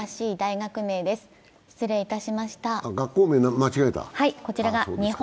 学校名間違えた？